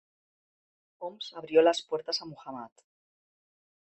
Homs abrió las puertas a Muhammad.